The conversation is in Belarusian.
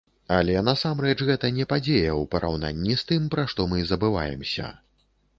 Але, насамрэч, гэта не падзея ў параўнанні з тым, пра што мы забываемся.